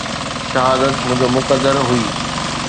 شهادت منهنجو مقدر هئي